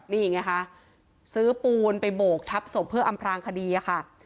นี่ไงคะซื้อปูนไปโบกทับศพเพื่ออำพลางคดีค่ะ